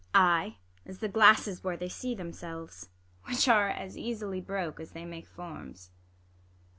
IsA. Ay, as the glasses where they see them selves. Which ai'e as easily broke, as they make forms.